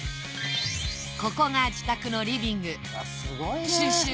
ここが自宅のリビング